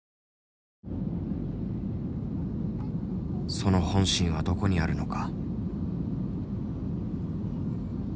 その本心はどこにあるのか。